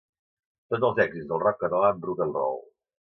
Tots els èxits del rock català amb Ruc'nRoll